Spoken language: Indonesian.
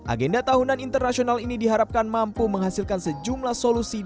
agenda tahunan internasional ini diharapkan mampu menghasilkan sejumlah solusi